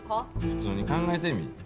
普通に考えてみい。